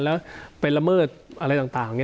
แล้วไปละเมิดอะไรต่าง